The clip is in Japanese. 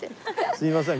すみません。